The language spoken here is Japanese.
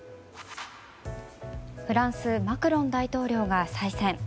フランスマクロン大統領が再選。